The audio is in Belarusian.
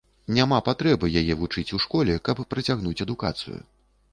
Няма патрэбы яе вучыць у школе, каб працягнуць адукацыю.